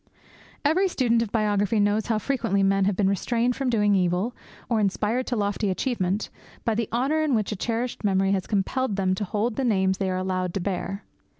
Every student of biography knows how frequently men have been restrained from doing evil, or inspired to lofty achievement, by the honour in which a cherished memory has compelled them to hold the names they are allowed to bear.